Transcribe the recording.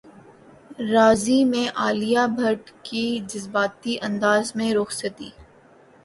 راضی میں عالیہ بھٹ کی جذباتی انداز میں رخصتی